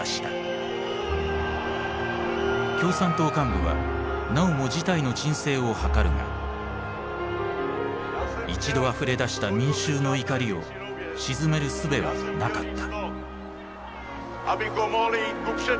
共産党幹部はなおも事態の鎮静を図るが一度あふれ出した民衆の怒りを鎮めるすべはなかった。